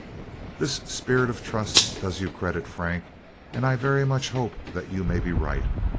"This spirit of trust does you credit, Frank, and I very much hope that you may be right.